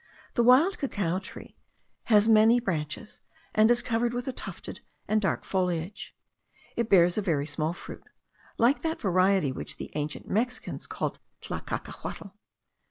The wild cacao tree has many branches, and is covered with a tufted and dark foliage. It bears a very small fruit, like that variety which the ancient Mexicans called tlalcacahuatl.